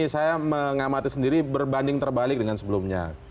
saya mengamati sendiri berbanding terbalik dengan sebelumnya